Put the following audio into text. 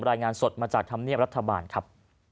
รายงานสดมาจากธรรมเนียบรัฐบาลครับ